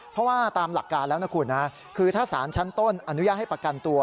เพราะว่าตามหลักการแล้วนะคุณนะคือถ้าสารชั้นต้นอนุญาตให้ประกันตัว